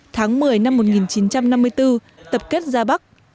tháng một mươi năm một nghìn chín trăm năm mươi bốn tập kết ra bắc